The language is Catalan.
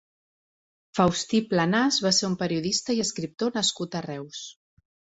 Faustí Planàs va ser un periodista i escriptor nascut a Reus.